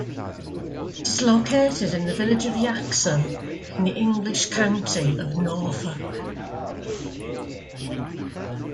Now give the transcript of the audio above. It is located in the village of Yaxham in the English county of Norfolk.